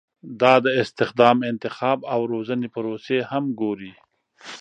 دا د استخدام، انتخاب او روزنې پروسې هم ګوري.